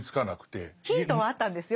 ヒントはあったんですよ